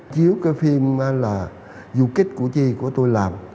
chiếu cái phim là dù kích của chi của tôi làm